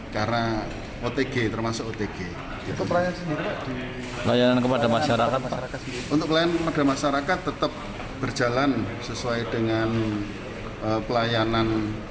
karena otg termasuk otg untuk pelayanan kepada masyarakat tetap berjalan sesuai dengan pelayanan